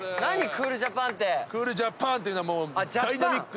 クールジャッパーンっていうのは。